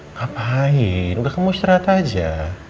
ngapain udah kamu istirahat aja